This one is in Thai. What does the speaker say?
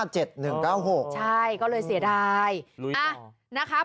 ใช่ก็เลยเสียดาย